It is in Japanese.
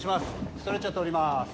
ストレッチャー通ります。